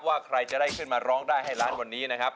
ว่าใครจะได้ขึ้นมาร้องได้ให้ล้านวันนี้นะครับ